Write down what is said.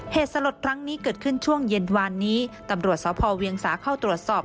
สลดครั้งนี้เกิดขึ้นช่วงเย็นวานนี้ตำรวจสพเวียงสาเข้าตรวจสอบ